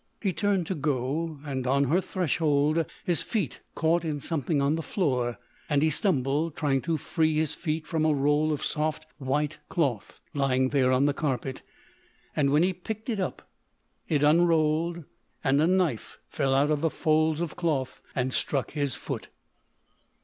He turned to go; and, on her threshold, his feet caught in something on the floor and he stumbled, trying to free his feet from a roll of soft white cloth lying there on the carpet. And when he picked it up, it unrolled, and a knife fell out of the folds of cloth and struck his foot.